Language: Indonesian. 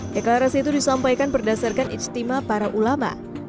deklarasi itu disampaikan berdasarkan istimewa para ulama